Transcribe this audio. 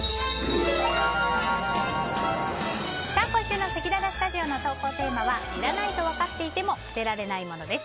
今週のせきららスタジオの投稿テーマはいらないとわかっていても捨てられないものです。